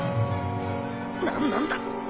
何なんだ